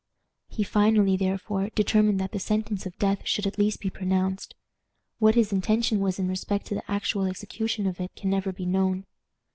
He finally, therefore, determined that the sentence of death should at least be pronounced. What his intention was in respect to the actual execution of it can never be known.